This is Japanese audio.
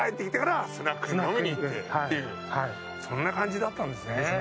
そんな感じだったんすね。